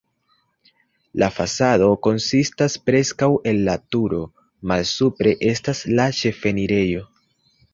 La fasado konsistas preskaŭ el la turo, malsupre estas la ĉefenirejo.